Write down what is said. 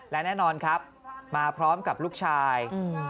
และแน่นอนครับมาพร้อมกับลูกชาย